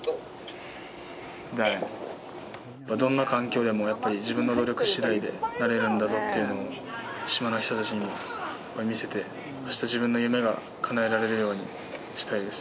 どんな環境でもやっぱり自分の努力しだいでなれるんだぞっていうのを島の人たちに見せて明日、自分の夢がかなえられるようにしたいです。